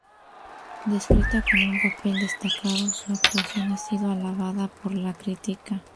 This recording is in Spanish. Descrita como un papel destacado, su actuación ha sido alabada por la crítica.